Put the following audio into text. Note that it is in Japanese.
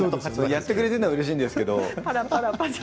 やってくれるのはうれしいんですけれど。